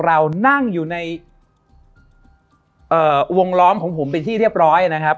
เรานั่งอยู่ในวงล้อมของผมเป็นที่เรียบร้อยนะครับ